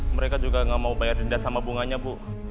mereka juga nggak mau bayar denda sama bunganya bu